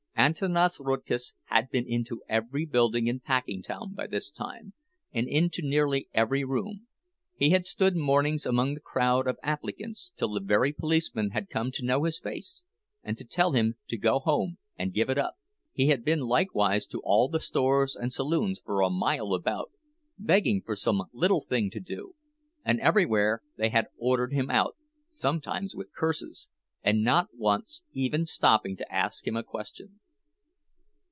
Antanas Rudkus had been into every building in Packingtown by this time, and into nearly every room; he had stood mornings among the crowd of applicants till the very policemen had come to know his face and to tell him to go home and give it up. He had been likewise to all the stores and saloons for a mile about, begging for some little thing to do; and everywhere they had ordered him out, sometimes with curses, and not once even stopping to ask him a question.